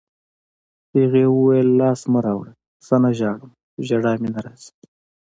هغې وویل: لاس مه راوړه، زه نه ژاړم، ژړا مې نه راځي.